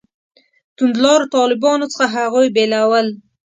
توندلارو طالبانو څخه هغوی بېلول.